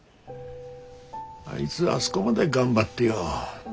あいづあそごまで頑張ってよ。